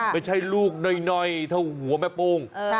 ไม่ใช่ลูกหน่อยถ้าหัวแม่ปูง